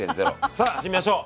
さあ始めましょう。